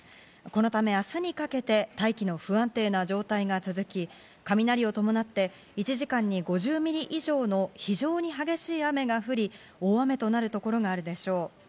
このため、明日にかけて大気の不安定な状態が続き、雷を伴って１時間に５０ミリ以上の非常に激しい雨が降り、大雨となるところがあるでしょう。